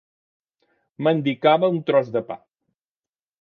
Mendicava un tros de pa.